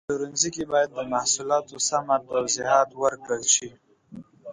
په پلورنځي کې باید د محصولاتو سمه توضیحات ورکړل شي.